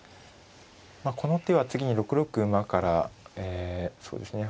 この手は次に６六馬からえそうですね